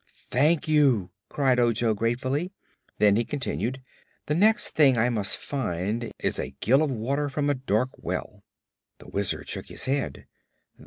"Thank you!" cried Ojo gratefully. Then he continued: "The next thing I must find is a gill of water from a dark well." The Wizard shook his head.